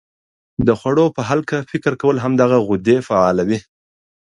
د خوړو په هلکه فکر کول هم دغه غدې فعالوي.